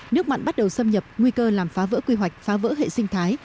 nước mặn bắt đầu xâm nhập nguy cơ làm phá vỡ quy hoạch phá vỡ hệ sinh thái